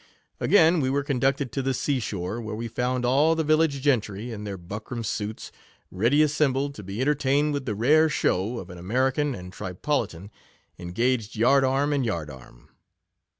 Again were we conducted to the sea shore, where we found all the village gentry, in 15 their buckram suits, ready assembled, to be entertained with the rare show of an Ame rican and Tripolitan engaged yard arm and yard arm.